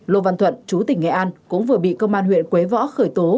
lô văn thuận chú tỉnh nghệ an cũng vừa bị công an huyện quế võ khởi tố